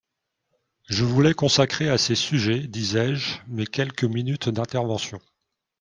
Je voulais consacrer à ces sujets, disais-je, mes quelques minutes d’intervention.